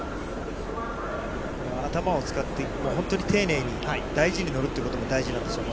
頭を使って本当に丁寧に、大事に乗るということも大事なんですよ。